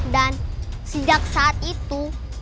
dan sejak saat itu